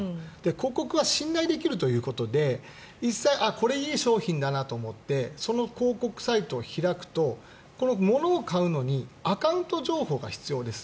広告は信頼できるということでこれ、いい商品だなと思ってその広告サイトを開くとこの物を買うのにアカウント情報が必要です